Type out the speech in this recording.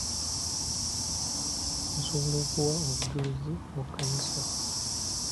Osobola okuwa obujulizi mu kkanisa?